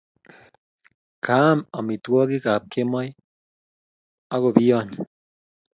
Kaam amitwogik ap kemoi akopiyony